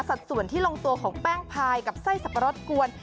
สัดส่วนที่ลงตัวของแป้งพายกับไส้สับปะรดกวน